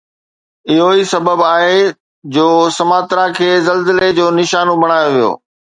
اهو ئي سبب آهي جو سماترا کي زلزلي جو نشانو بڻايو ويو